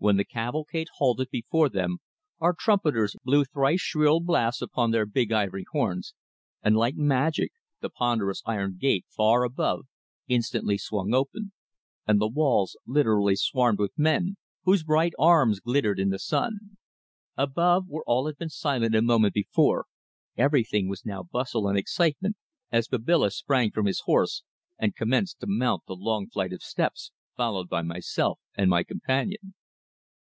When the cavalcade halted before them our trumpeters blew thrice shrill blasts upon their big ivory horns, and like magic the ponderous iron gate far above instantly swung open, and the walls literally swarmed with men, whose bright arms glittered in the sun. Above, where all had been silent a moment before, everything was now bustle and excitement as Babila sprang from his horse and commenced to mount the long flight of steps, followed by myself and my companion.